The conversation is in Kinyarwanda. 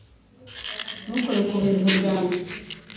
ntukore ku bintu byanjye